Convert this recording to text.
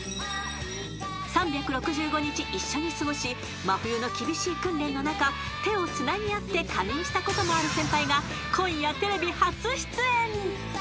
［３６５日一緒に過ごし真冬の厳しい訓練の中手をつなぎ合って仮眠したこともある先輩が今夜テレビ初出演］